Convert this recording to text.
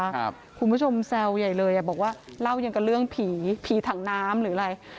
คุณผู้ชมแซวใหญ่เลยอ่ะบอกว่าเล่ายังกับเรื่องผีผีถังน้ำหรืออะไร